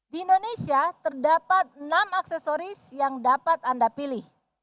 di indonesia terdapat enam aksesoris yang dapat anda pilih